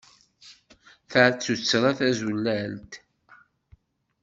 Ta d tuttra tazulalt.